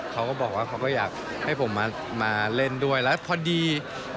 เขาก็บอกว่าเขาก็อยากให้ผมมาเล่นด้วยแล้วพอดี